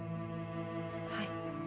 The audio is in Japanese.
はい。